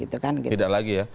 tidak lagi ya